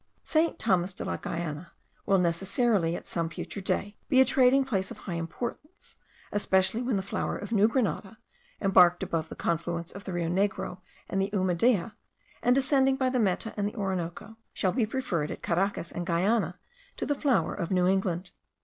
St. Thomas de la Guiana will necessarily, at some future day, be a trading place of high importance, especially when the flour of New Grenada, embarked above the confluence of the Rio Negro and the Umadea, and descending by the Meta and Orinoco, shall be preferred at Caracas and Guiana to the flour of New England.